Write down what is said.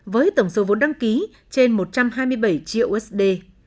với tổng số vốn đăng ký trên một trăm hai mươi bảy triệu usd